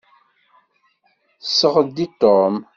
Sɣed i Tom.